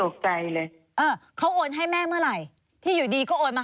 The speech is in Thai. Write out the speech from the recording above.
โอนมาตั้งจากเมื่อไหร่คะ